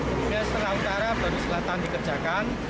kemudian setengah utara baru selatan dikerjakan